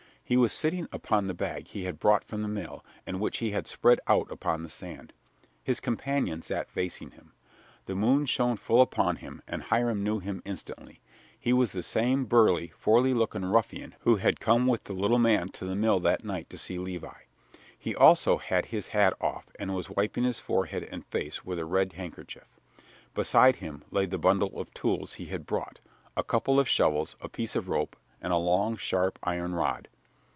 He was sitting upon the bag he had brought from the mill and which he had spread out upon the sand. His companion sat facing him. The moon shone full upon him and Hiram knew him instantly he was the same burly, foreign looking ruffian who had come with the little man to the mill that night to see Levi. He also had his hat off and was wiping his forehead and face with a red handkerchief. Beside him lay the bundle of tools he had brought a couple of shovels, a piece of rope, and a long, sharp iron rod.